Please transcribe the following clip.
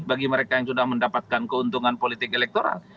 bagi mereka yang sudah mendapatkan keuntungan politik elektoral